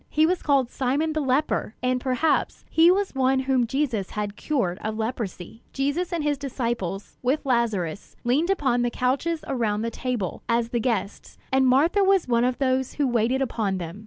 He was called "Simon the leper"; and perhaps he was one whom Jesus had cured of leprosy. Jesus and his disciples, with Lazarus, leaned upon the couches around the table, as the guests; and Martha was one of those who waited upon them.